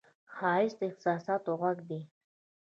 ښایست د احساساتو غږ دی